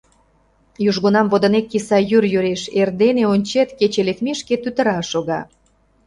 Южгунам водынек киса йӱр йӱреш, эрдене, ончет, кече лекмешке тӱтыра шога.